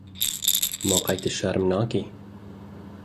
Ma qey tu şerm nakî?